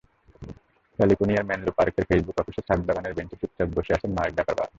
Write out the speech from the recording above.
ক্যালিফোর্নিয়ার মেনলো পার্কের ফেসবুক অফিসের ছাদবাগানের বেঞ্চে চুপচাপ বসে আছেন মার্ক জাকারবার্গ।